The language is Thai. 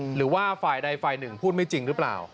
หรือว่าฝ่ายใดฝ่ายหนึ่งพูดไม่จริงหรือเปล่า